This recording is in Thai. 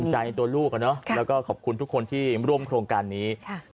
ใจตัวลูกแล้วก็ขอบคุณทุกคนที่ร่วมโครงการนี้